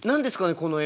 この絵。